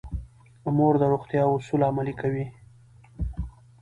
مور د روغتیا اصول عملي کوي.